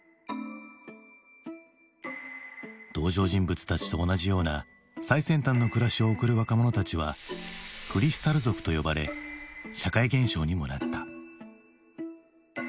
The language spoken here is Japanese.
登場人物たちと同じような最先端の暮らしを送る若者たちはクリスタル族と呼ばれ社会現象にもなった。